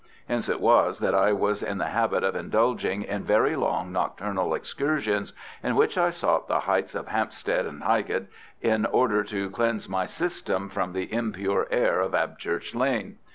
Hence it was that I was in the habit of indulging in very long nocturnal excursions, in which I sought the heights of Hampstead and Highgate in order to cleanse my system from the impure air of Abchurch Lane.